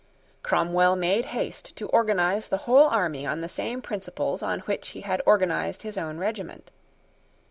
Cromwell made haste to organise the whole army on the same principles on which he had organised his own regiment.